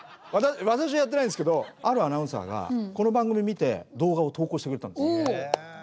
私はやってないですけどあるアナウンサーがこの番組を見て動画を投稿してくれたんです。